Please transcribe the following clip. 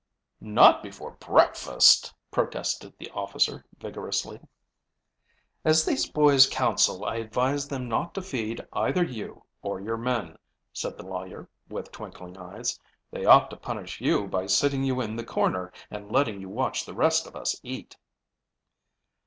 "Not before breakfast," protested the officer vigorously. "As these boys' counsel, I advise them not to feed either you or your men," said the lawyer, with twinkling eyes. "They ought to punish you by sitting you in the corner and letting you watch the rest of us eat."